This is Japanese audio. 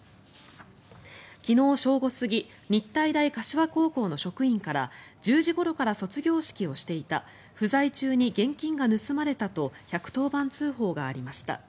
昨日正午過ぎ日体大柏高校の職員から１０時ごろから卒業式をしていた不在中に現金が盗まれたと１１０番通報がありました。